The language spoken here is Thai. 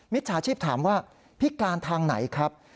จชาชีพถามว่าพิการทางไหนครับ